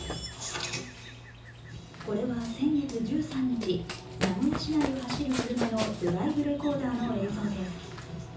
これは先月１３日、名古屋市内を走る車のドライブレコーダーの映像です。